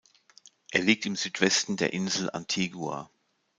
Er liegt im Südwesten der Insel Antigua.